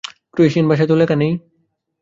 Croatian ভাষায় তো লেখা নেই।